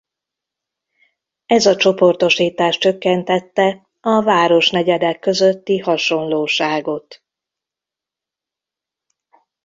Ez a csoportosítás csökkentette a városnegyedek közötti hasonlóságot.